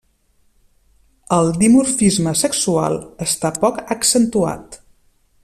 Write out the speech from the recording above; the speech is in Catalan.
El dimorfisme sexual està poc accentuat.